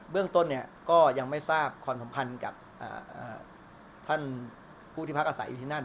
เบื้องต้นเนี่ยก็ยังไม่ทราบความสำคัญกับอ่าอ่าท่านผู้ที่พักอาศัยอยู่ที่นั่น